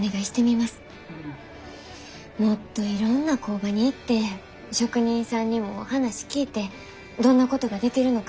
もっといろんな工場に行って職人さんにも話聞いてどんなことができるのかもっぺん考えてみます。